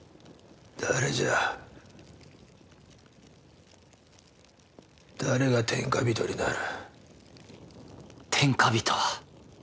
誰じゃ誰が天下人になる？